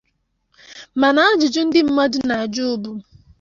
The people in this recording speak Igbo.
Mana ajụjụ ndị mmadụ na-ajụ bụ